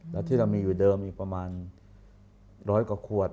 แล้วที่เรามีอยู่เดิมอีกประมาณร้อยกว่าขวด